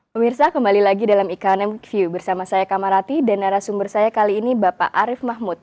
pemirsa kembali lagi dalam e commic view bersama saya kamarati dan narasumber saya kali ini bapak arief mahmud